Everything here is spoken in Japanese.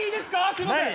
すみません！